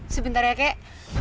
sebentar ya kek